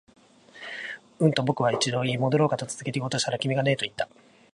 うん、と僕はもう一度言い、戻ろうかと続けて言おうとしたところ、君がねえと言った